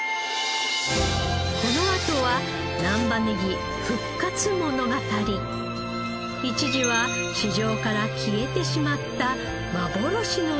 このあとは一時は市場から消えてしまった幻のネギ。